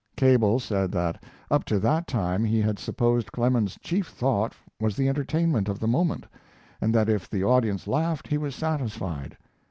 Cable said that up to that time he had supposed Clemens's chief thought was the entertainment of the moment, and that if the audience laughed he was satisfied.